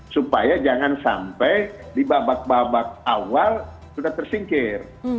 supaya jangan sampai di babak babak awal sudah tersingkir